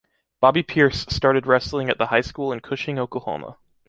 Bobby Pearce started wrestling at the high school in Cushing, Oklahoma.